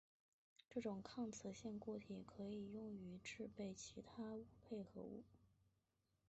这种抗磁性固体可以用于制备其它钨配合物。